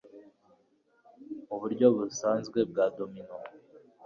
muburyo busanzwe bwa domino?